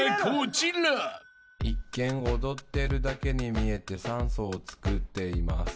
「一見踊ってるだけに見えて酸素を作っています。」